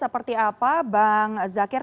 seperti apa bang zakir